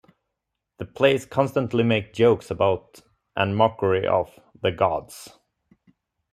The plays constantly make jokes about and mockery of the gods.